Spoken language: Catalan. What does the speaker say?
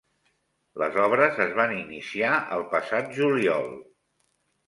Les obres es van iniciar el passat juliol.